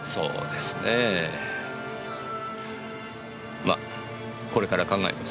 まあこれから考えます。